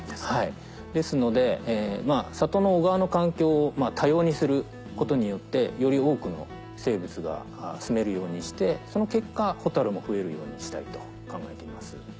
ですので里の小川の環境を多様にすることによってより多くの生物がすめるようにしてその結果ホタルも増えるようにしたいと考えています。